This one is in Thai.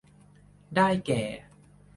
ได้แก่